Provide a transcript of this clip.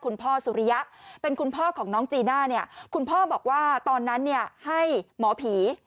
คุณพ่อสุริยะเป็นคุณพ่อของน้องจีน่าเนี่ยคุณพ่อบอกว่าตอนนั้นเนี่ยให้หมอผี